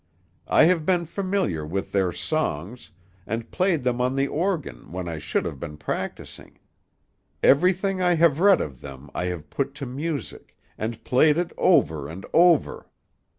I have been familiar with their songs, and played them on the organ when I should have been practising; everything I have read of them I have put to music, and played it over and over.